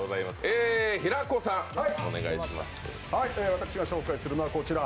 私が紹介するのはこちら。